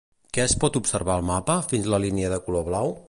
Què es pot observar al mapa, fins la línia de color blau?